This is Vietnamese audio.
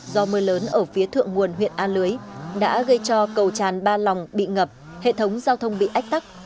do mưa lớn ở phía thượng nguồn huyện a lưới đã gây cho cầu tràn ba lòng bị ngập hệ thống giao thông bị ách tắc